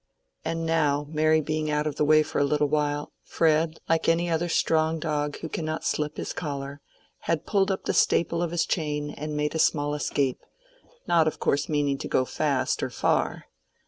And now, Mary being out of the way for a little while, Fred, like any other strong dog who cannot slip his collar, had pulled up the staple of his chain and made a small escape, not of course meaning to go fast or far.